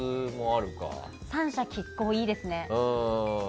三者拮抗、いいですね。